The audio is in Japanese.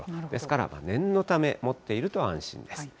ですから、念のため持っていると安心です。